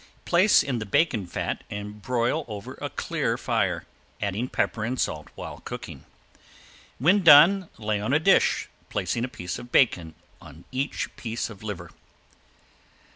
Place in the bacon fat and broil over a clear fire, adding pepper and salt while cooking. When done lay on a dish, placing a piece of bacon on each piece of liver.